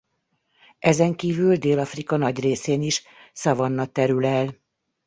Ezenkívül Dél-Afrika nagy részén is szavanna terül el.